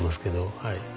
はい。